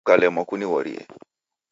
Kukalemwa kunighorie